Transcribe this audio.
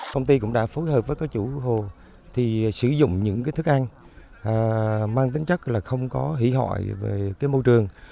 công ty cũng đã phối hợp với các chủ hồ sử dụng những thức ăn mang tính chất không có hỷ hội về môi trường